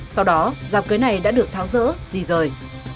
sau đó dạp cưới này đã được tháo rỡ di rời